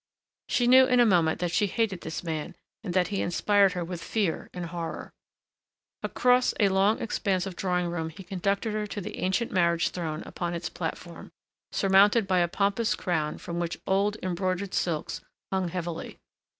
She knew in a moment that she hated this man and that he inspired her with fear and horror. Across a long expanse of drawing room he conducted her to the ancient marriage throne upon its platform, surmounted by a pompous crown from which old, embroidered silks hung heavily.